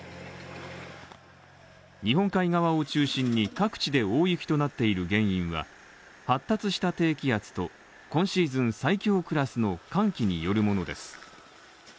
日本海側を中心に各地で大雪となっている原因は発達した低気圧と今シーズン最強クラスの寒気によるものです。